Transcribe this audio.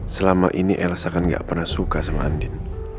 selama ini elsa kan gak pernah suka sama andin